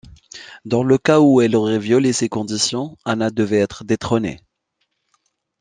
Dans le cas où elle aurait violé ces conditions, Anna devait être détrônée.